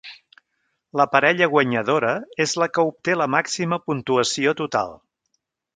La parella guanyadora és la que obté la màxima puntuació total.